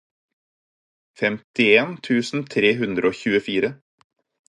femtien tusen tre hundre og tjuefire